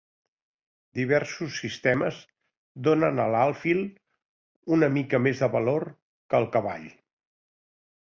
Diversos sistemes donen a l'alfil una mica més de valor que al cavall.